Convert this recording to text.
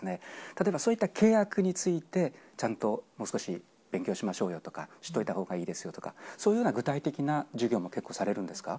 例えばそういった契約について、ちゃんともう少し勉強しましょうよとか、しといたほうがいいですよとか、そういうような具体的な授業も結構されるんですか？